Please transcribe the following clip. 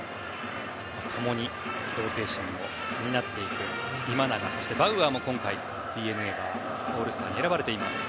共にローテーションを担っていく今永、そしてバウアーも今回、オールスターに選ばれています。